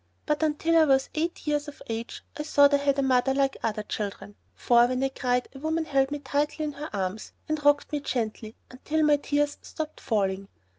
But until I was eight years of age I thought I had a mother like other children, for when I cried a woman held me tightly in her arms and rocked me gently until my tears stopped falling.